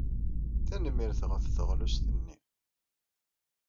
Tanemmirt ɣef teɣlust-nni.